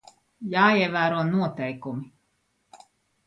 Jāievēro noteikumi.